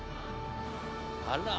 あら。